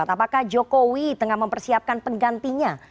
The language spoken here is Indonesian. apakah jokowi tengah mempersiapkan penggantinya